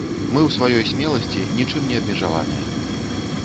Мы ў сваёй смеласці нічым не абмежаваныя.